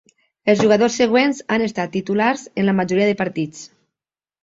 Els jugadors següents han estat titulars en la majoria de partits.